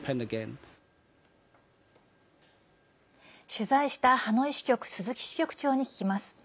取材した、ハノイ支局鈴木支局長に聞きます。